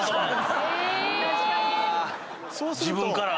自分から。